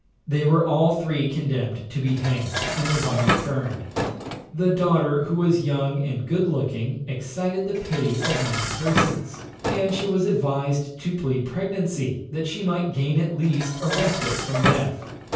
They were all three condemned to be hanged, and their bodies burned. The daughter, who was young and good looking, excited the pity of many persons, and she was advised to plead pregnancy, that she might gain at least a respite from death.